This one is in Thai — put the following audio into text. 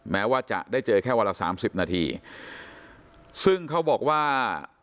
แม้ว่าจะได้เจอแค่วันละสามสิบนาทีซึ่งเขาบอกว่า